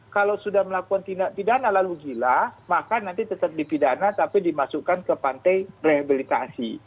kalau sudah melakukan tindak pidana lalu gila maka nanti tetap dipidana tapi dimasukkan ke pantai rehabilitasi